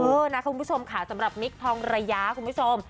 เออนะคุณผู้ชมค่ะสำหรับมิคทองระยะคุณผู้ชม